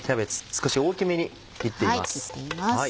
少し大きめに切っています。